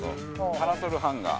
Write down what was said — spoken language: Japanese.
パラソルハンガー。